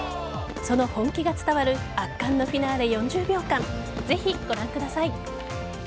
その本気が伝わる圧巻のフィナーレ４０秒間ぜひ、ご覧ください。